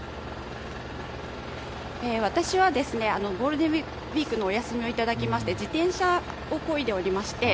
私はゴールデンウィークのお休みをいただきまして自転車をこいでおりまして。